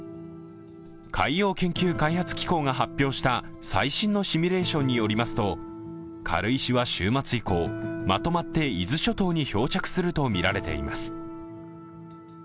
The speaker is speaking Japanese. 海洋研究開発機構が発表した最新のシミュレーションによりますと軽石は週末以降、まとまって伊豆諸島に漂着するとみられています。